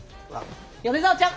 米沢ちゃん。